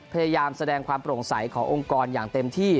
พยายามแสดงความโปร่งใสขององค์กรอย่างเต็มที่